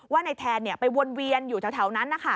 ว่านายแทนไปวนเวียนอยู่เท่านั้น